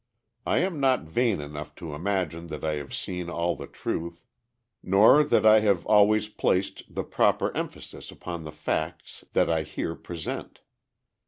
I am not vain enough to imagine that I have seen all the truth, nor that I have always placed the proper emphasis upon the facts that I here present.